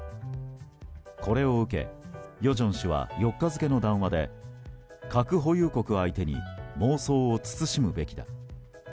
これを受け与正氏は４日付の談話で核保有国相手に妄想を慎むべきだ